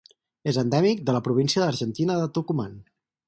És endèmic de la província argentina de Tucumán.